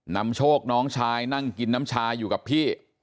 นำโชคน้องชายนั่งกินน้ำชาอยู่กับพี่